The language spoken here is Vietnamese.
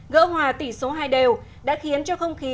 gỡ hòa tỷ số hai đều đã khiến cho không khí